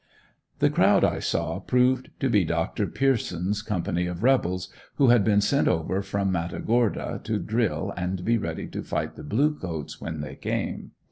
The crowd I saw proved to be Dr. Pierceson's company of rebels, who had been sent over from Matagorda to drill and be ready to fight the blue coats when they came.